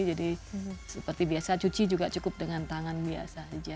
jadi seperti biasa cuci juga cukup dengan tangan biasa saja